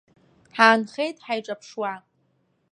Ҳаанхеит ҳаиҿаԥшуа.